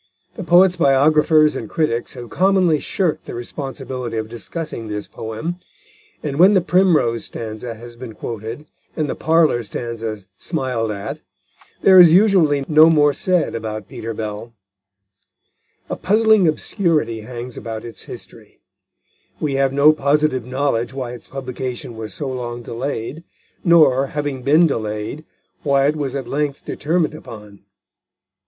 The poet's biographers and critics have commonly shirked the responsibility of discussing this poem, and when the Primrose stanza has been quoted, and the Parlour stanza smiled at, there is usually no more said about Peter Bell. A puzzling obscurity hangs around its history. We have no positive knowledge why its publication was so long delayed; nor, having been delayed, why it was at length determined upon.